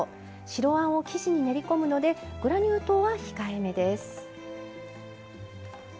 白あんを生地に練り込むのでグラニュー糖は控えめです。